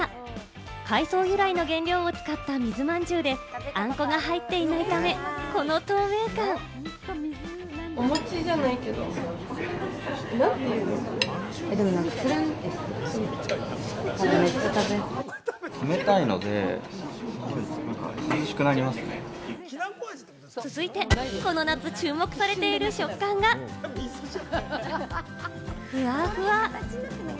海藻由来の原料を使った水まんじゅうで、あんこが入っていないため、この透明感。続いて、この夏、注目されている食感が、ふわふわ。